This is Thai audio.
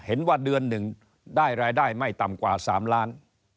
เห็นว่าเดือนหนึ่งได้รายได้ไม่ต่ำกว่า๓ล้าน